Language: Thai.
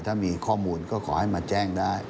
ถ้ามีข้อมูลก็ขอให้มาแจ้งได้